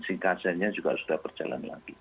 singkatannya juga sudah berjalan lagi